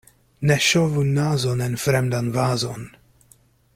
Ne ŝovu nazon en fremdan vazon.